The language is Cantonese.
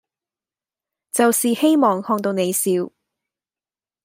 就是希望看到你笑